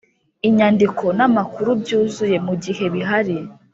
inyandiko n amakuru byuzuye mu gihe bihari